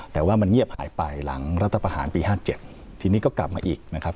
แต่ว่ามันเงียบหายไปหลังรัฐประหารปี๕๗ทีนี้ก็กลับมาอีกนะครับ